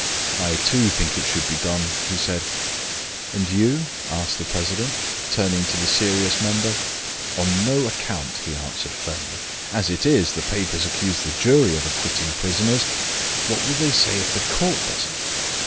"I, too, think it should be done," he said. "And you?" asked the president, turning to the serious member. "On no account," he answered, firmly. "As it is, the papers accuse the jury of acquitting prisoners. What will they say if the Court does it?